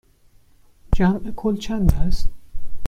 جمع کل چند است؟